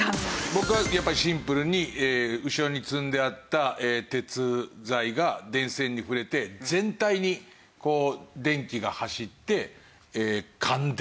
僕はやっぱりシンプルに後ろに積んであった鉄材が電線に触れて全体に電気が走って感電。